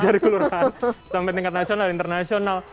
dari kelurahan sampai tingkat nasional internasional